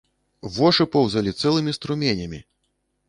Вошы поўзалі цэлымі струменямі!